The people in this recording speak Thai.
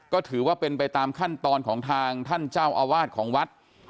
ก็ถือว่าเป็นไปตามขั้นตอนของทางท่านเจ้าอาวาสของวัด